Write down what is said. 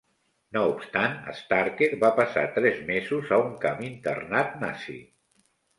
No obstant, Starker va passar tres mesos a un camp internat nazi.